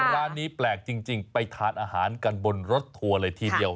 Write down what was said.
ร้านนี้แปลกจริงไปทานอาหารกันบนรถทัวร์เลยทีเดียว